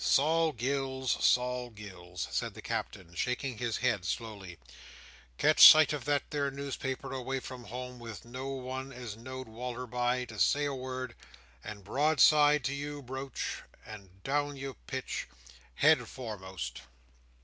Sol Gills, Sol Gills!" said the Captain, shaking his head slowly, "catch sight of that there newspaper, away from home, with no one as know'd Wal"r by, to say a word; and broadside to you broach, and down you pitch, head foremost!"